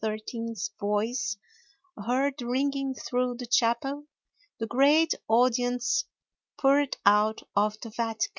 's voice heard ringing through the chapel, the great audience poured out of the Vatican.